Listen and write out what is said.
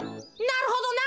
なるほどな。